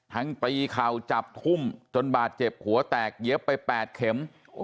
ทั้งปีเข่าจับถุ้มจนบาดเจ็บหัวแตกเหยียบไปแปดเข็ม